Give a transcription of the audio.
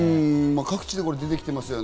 各地で出てきていますね。